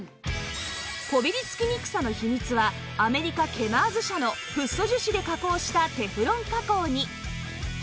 こびりつきにくさの秘密はアメリカケマーズ社のフッ素樹脂で加工したテフロン加工に！